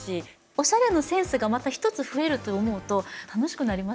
おしゃれのセンスがまた一つ増えると思うと楽しくなりますよね。